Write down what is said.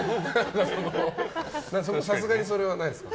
さすがにそれはないですか？